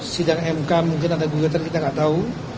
sidang mk mungkin ada gugatan kita nggak tahu